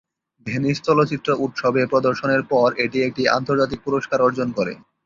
Venice চলচ্চিত্র উৎসবে প্রদর্শনের পর এটি একটি আন্তর্জাতিক পুরস্কার অর্জন করে।